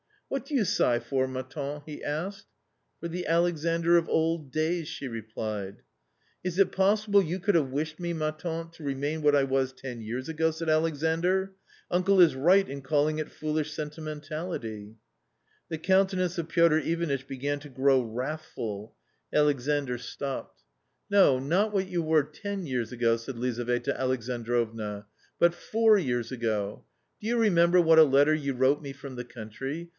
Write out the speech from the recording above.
What do you sigh for, ma tante ?" he asked. " For the Alexandr of old days," she replied " Is it possible you could have wished me, ma tante, to remain what I was ten years ago ?" said Alexandr. " Uncle is right in calling it foolish sentimentality. ,, The countenance of Piotr Ivanitch began to grow wrath ful. Alexandr stopped. A COMMON STORY 281 " No, not what you were ten years ago," said Lizaveta Alexandrovna, " but four years ago ; do you remember what a letter you wrote me from the country